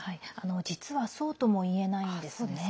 実は、そうともいえないんですよね。